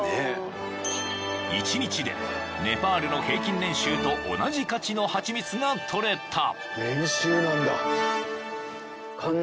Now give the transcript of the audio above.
［１日でネパールの平均年収と同じ価値のハチミツが採れた］